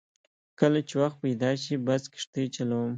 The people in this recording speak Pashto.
کله چې وخت پیدا شي بس کښتۍ چلوم.